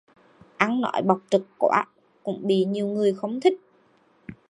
Ăn nói bộc trực quá cũng bị nhiều người không thích